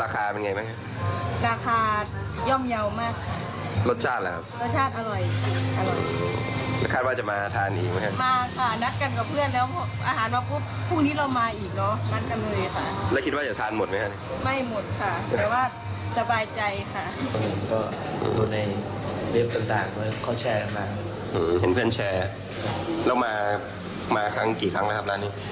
ก็ถาดใหญ่ดีครับ